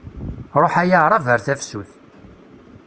Ṛuḥ ay aɛṛab ar tafsut.